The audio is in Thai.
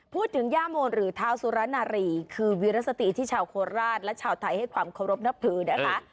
ย่าโมนหรือเท้าสุรนารีคือวิรสติที่ชาวโคราชและชาวไทยให้ความเคารพนับถือนะคะ